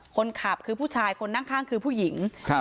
คนขับคือผู้ชายคนนั่งข้างคือผู้หญิงครับ